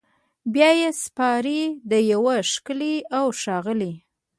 بیا یې سپاري د یو ښکلي اوښاغلي